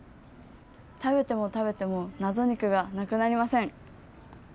食べても食べても謎肉がなくなりません。